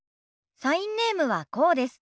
サインネームはこうです。